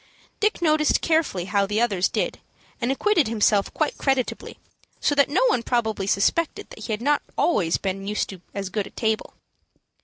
Dick noticed carefully how the others did, and acquitted himself quite creditably, so that no one probably suspected that he had not always been used to as good a table.